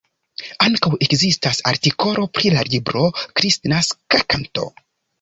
Ankaŭ ekzistas artikolo pri la libro Kristnaska Kanto".